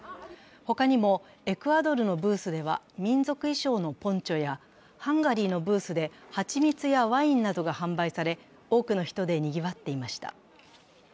他にも、エクアドルのブースでは民族衣装のポンチョやハンガリーのブースではちみつやワインなどが販売され多くの人でにぎわっていました。